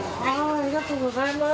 ありがとうございます。